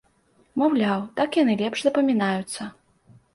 Маўляў, так яны лепш запамінаюцца.